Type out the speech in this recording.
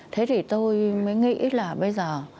thế thì tôi mới nghĩ là bây giờ